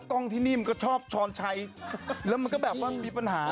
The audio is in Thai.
กล้องที่นี่มันก็ชอบช้อนชัยแล้วมันก็แบบว่ามีปัญหา